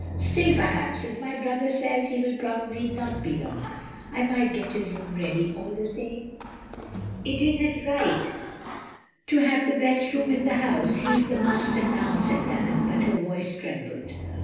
" "Still perhaps — as my brother says he will probably not be long — I might get his room ready all the same?" "It is his right to have the best room in the house. He 's the master now, " said Dunham, but her voice trembled.